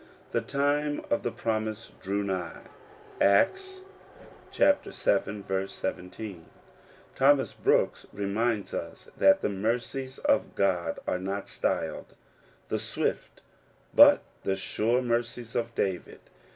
" The time of the promise drew nigh." — Acts vii. 17. HOMAS BROOKS reminds us that the mercies of God are not styled the swift y but "the sure mercies of David.